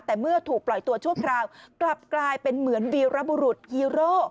แต่เมื่อถูกปล่อยตัวชั่วคราวกลับกลายเป็นเหมือนวีรบุรุษฮีโร่